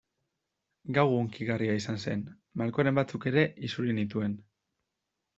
Gau hunkigarria izan zen, malkoren batzuk ere isuri nituen.